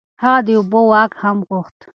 هغه د اوبو واک هم غوښت.